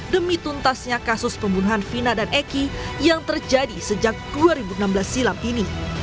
demi tuntasnya kasus pembunuhan vina dan eki yang terjadi sejak dua ribu enam belas silam ini